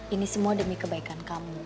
ini semua demi kebaikan kamu